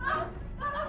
ya allah mas